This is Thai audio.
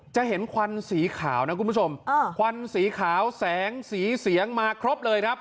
จะเห็นควันสีขาวนะคุณผู้ชมควันสีขาวแสงสีเสียงมาครบเลยครับ